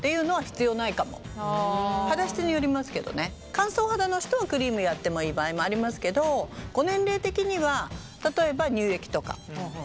乾燥肌の人はクリームやってもいい場合もありますけどご年齢的には例えば乳液とかジェルとか。